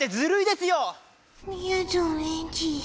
みやぞんエンジ。